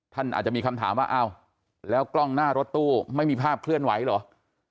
ท่านอาจจะมีคำถามว่าอ้าวแล้วกล้องหน้ารถตู้ไม่มีภาพเคลื่อนไหวเหรอ